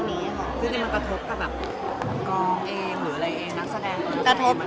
ซึ่งมันกระทบกับกองเองหรืออะไรเองนักแสดง